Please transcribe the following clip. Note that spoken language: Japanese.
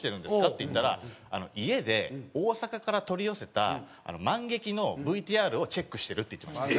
って言ったら「家で大阪から取り寄せたマンゲキのＶＴＲをチェックしてる」って言ってました。